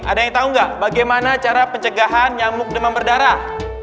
ada yang tahu nggak bagaimana cara pencegahan nyamuk demam berdarah